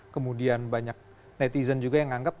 kemudian banyak netizen juga yang anggap